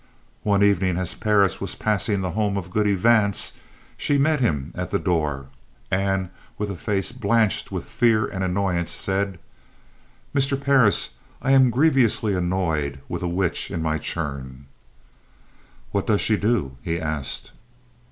One evening, as Parris was passing the home of Goody Vance, she met him at the door, and, with a face blanched with fear and annoyance, said: "Mr. Parris, I am grievously annoyed with a witch in my churn." "What does she do?" he asked.